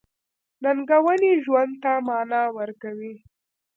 • ننګونې ژوند ته مانا ورکوي.